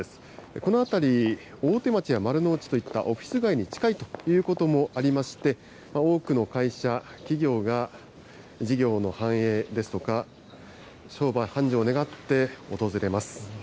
この辺り、大手町や丸の内といったオフィス街に近いということもありまして、多くの会社、企業が事業の繁栄ですとか、商売繁盛を願って訪れます。